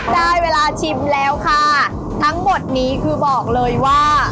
ได้เวลาชิมแล้วค่ะทั้งหมดนี้คือบอกเลยว่า